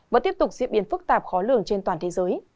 vẫn tiếp tục diễn biến phức tạp khó lường trên toàn thế giới